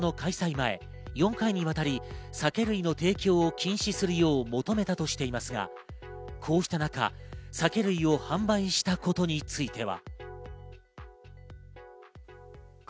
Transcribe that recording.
前、４回にわたり酒類の提供を禁止するよう求めたとしていますが、こうした中、酒類を販売したことについては。